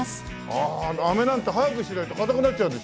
あああめなんて早くしないと硬くなっちゃうでしょ。